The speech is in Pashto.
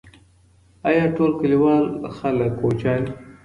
آیا ټول کلیوال خلګ کوچیان دي؟